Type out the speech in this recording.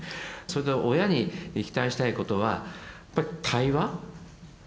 それで親に期待したいことはやっぱり対話。